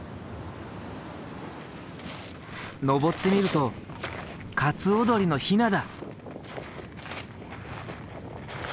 上ってみるとカツオドリのヒナだ。